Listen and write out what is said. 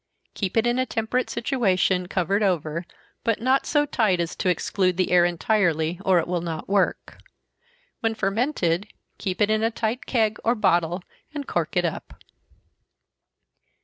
Keep it in a temperate situation, covered over, but not so tight as to exclude the air entirely, or it will not work. When fermented, keep it in a tight keg, or bottle and cork it up.